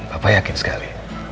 papa yakin sekali